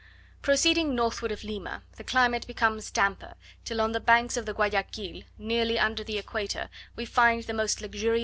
Proceeding northward of Lima, the climate becomes damper, till on the banks of the Guayaquil, nearly under the equator, we find the most luxuriant forests.